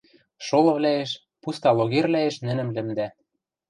Шолывлӓэш, пуста логервлӓэш нӹнӹм лӹмдӓ.